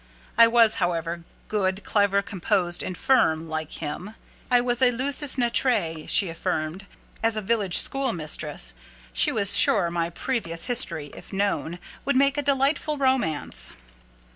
I was, however, good, clever, composed, and firm, like him. I was a lusus naturæ, she affirmed, as a village schoolmistress: she was sure my previous history, if known, would make a delightful romance.